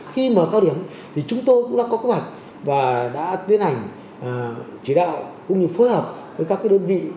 khi mở cao điểm thì chúng tôi cũng đã có kế hoạch và đã tiến hành chỉ đạo cũng như phối hợp với các đơn vị